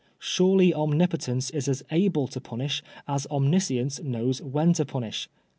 Surely Omnipotence is as dbU to punish as Omniscience knows when to punish.